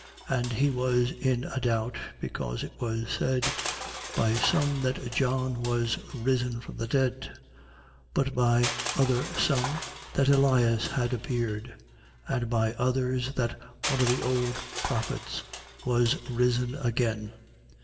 And he was in a doubt, because it was said 9:8. By some that John was risen from the dead: but by other some, that Elias had appeared: and by others, that one of the old prophets was risen again.